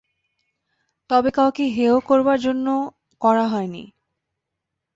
তবে কাউকে হেয় করবার জন্যে করা হয় নি।